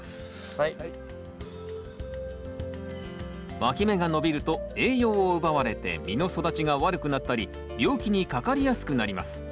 わき芽が伸びると栄養を奪われて実の育ちが悪くなったり病気にかかりやすくなります